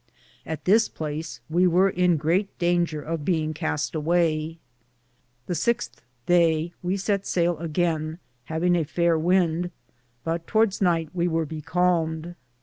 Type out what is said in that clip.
At this place we weare in greate dainger of beinge caste awaye. The sixte day we sett saile againe, havinge a faire wynde, but towardes nyghte we weare becalmed.